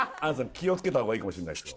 気をつけた方がいいかもしんないすよ